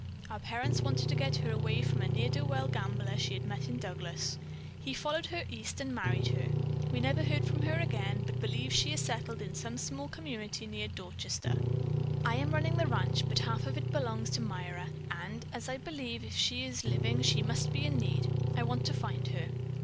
Our parents wanted to get her away from a ne'er do well gambler she had met in Douglas. He followed her East and married her. We never heard from her again, but believe she settled in some small community near Dorchester. I am running the ranch, but half of it belongs to Myra, and, as I believe if she is living she must be in need, I want to find her.